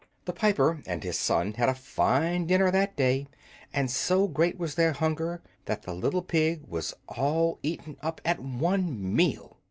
The piper and his son had a fine dinner that day, and so great was their hunger that the little pig was all eaten up at one meal!